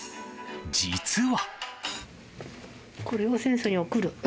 実は。